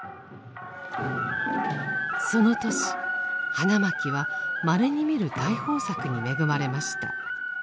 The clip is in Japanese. その年花巻はまれに見る大豊作に恵まれました。